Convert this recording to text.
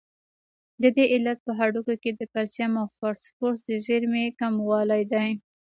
د دې علت په هډوکو کې د کلسیم او فاسفورس د زیرمې کموالی دی.